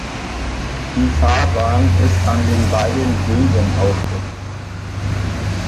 Die Fahrbahn ist an den beiden Bögen aufgehängt.